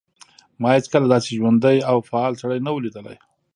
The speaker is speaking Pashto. ما هیڅکله داسې ژوندی او فعال سړی نه و لیدلی